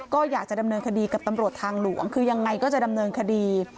ก็อยากจะดำเนินคดีกับตำรวจทางหลวงคือยังไงก็จะดำเนินคดี